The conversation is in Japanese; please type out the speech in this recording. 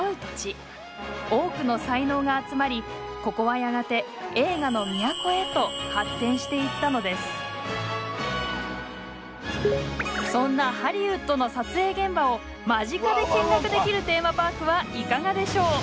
多くの才能が集まりここはやがてそんなハリウッドの撮影現場を間近で見学できるテーマパークはいかがでしょう？